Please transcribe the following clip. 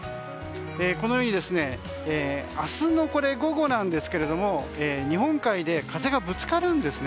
このように明日の午後なんですが日本海で風がぶつかるんですね。